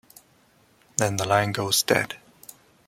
Then the line goes dead.